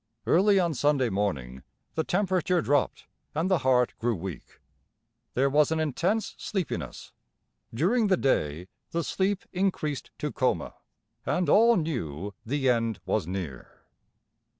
Early on Sunday morning the temperature dropped, and the heart grew weak; there was an intense sleepiness. During the day the sleep increased to coma, and all knew the end was near.